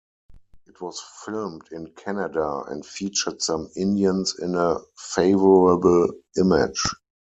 It was filmed in Canada and featured some Indians in a favorable image.